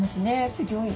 すギョい。